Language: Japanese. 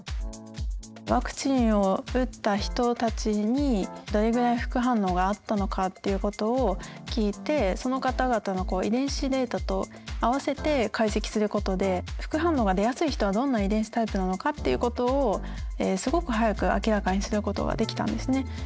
ワクチンを打った人たちにどれぐらい副反応があったのかっていうことをきいてその方々の遺伝子データと合わせて解析することで副反応が出やすい人はどんな遺伝子タイプなのかっていうことをすごく早く明らかにすることができたんですね。